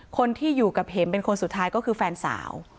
คนที่อยู่กับเห็มเป็นคนสุดท้ายก็คือแฟนสาว